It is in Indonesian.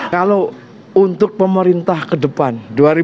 kalau untuk pemerintah kedepan dua ribu dua puluh empat